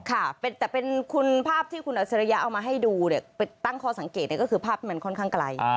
ค่ะแต่เป็นภาพที่คุณอาชิริยะเอามาให้ดูตั้งคอสังเกตก็คือภาพมันค่อนข้างไกล